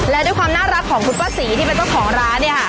และด้วยความน่ารักของคุณป้าศรีที่เป็นเจ้าของร้านเนี่ยค่ะ